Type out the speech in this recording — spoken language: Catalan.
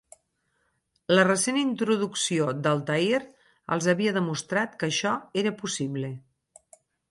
La recent introducció d'Altair els havia demostrat que això era possible.